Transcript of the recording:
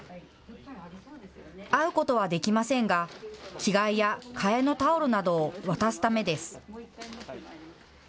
会うことはできませんが、着替えや替えのタオルなどを渡すためです。